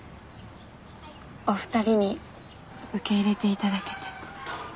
お二人に受け入れて頂けて。